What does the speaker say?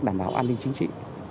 đảm bảo an ninh chính trị